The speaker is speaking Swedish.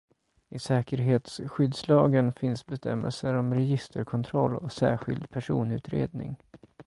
I säkerhetsskyddslagen finns bestämmelser om registerkontroll och särskild personutredning.